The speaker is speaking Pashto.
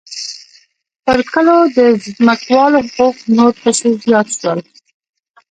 پر کلو د ځمکوالو حقوق نور پسې زیات شول